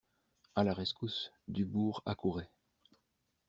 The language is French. A la rescousse, Dubourg accourait.